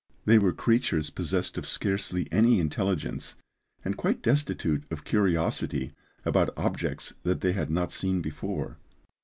They were creatures possessed of scarcely any intelligence, and quite destitute of curiosity about objects that they had not seen before.